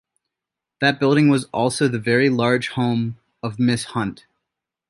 That building was also the very large home of Mrs. Hunt.